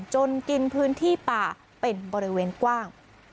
จนกินพื้นที่ป่าเป็นบริเวณกว้าง